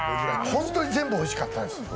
本当に全部おいしかったんです。